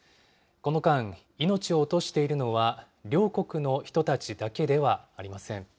この間、命を落としているのは両国の人たちだけではありません。